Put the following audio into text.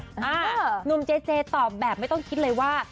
หนุ่มเจเจตอบแบบไม่ต้องคิดเลยว่า